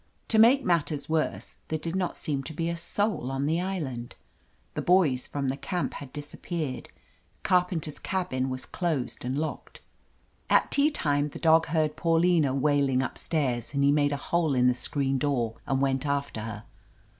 To make matters worse, there did not seem to be a soul on the island. The boys from the 297 THE AMAZING ADVENTURES camp had disappeared; Carpenter's cabin was closed and locked At tea time the dog heard Paulina wailing up stairs and he made a hole in the screen door and went after her.